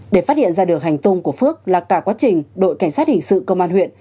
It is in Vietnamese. để phát hiện ra được hành tung của phước là cả quá trình đội cảnh sát hình sự công an huyện